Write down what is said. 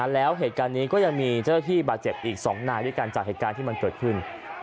แล้วเหตุการณ์นี้ก็ยังมีเจ้าหน้าที่บาดเจ็บอีก๒นายด้วยกันจากเหตุการณ์ที่มันเกิดขึ้น